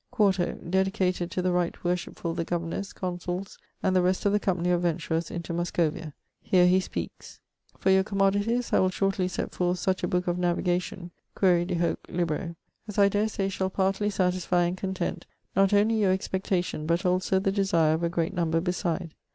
Quarto; dedicated 'to the right worshipfull the governors, consulles, and the rest of the company of venturers into Muscovia.' Here he speakes: 'For your commodities I will shortly set forthe suche a book of navigation' quaere de hoc libro 'as I dare saie shall partly satisfy and contente not onely your expectation but also the desire of a great nomber beside.